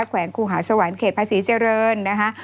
แขวนคู่หาสวรรค์เขตพระศรีเจริญนะคะ